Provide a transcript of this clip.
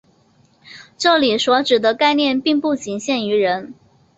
这里所指的概念并不仅限于人。